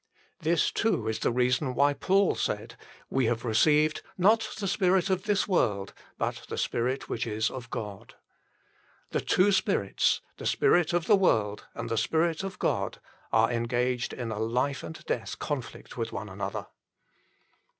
l This, too, is the reason why Paul said :" We have received, not the spirit of this world, but the Spirit which is of 1 John xvii. 16. 54 THE FULL BLESSING OF PENTECOST God." l The two spirits, the spirit of the world and the Spirit of God, are engaged in a life and death conflict with one another.